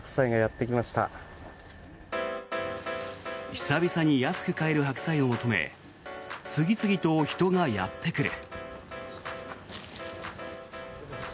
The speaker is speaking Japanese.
久々に安く買える白菜を求め次々と人がやってくる。